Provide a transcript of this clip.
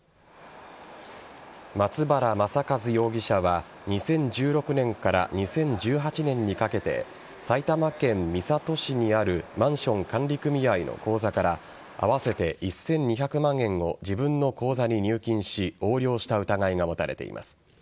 松原昌和容疑者は２０１６年から２０１７年にかけて埼玉県三郷市にあるマンション管理組合の口座から合わせて１２００万円を自分の口座に入金し横領した疑いが持たれています。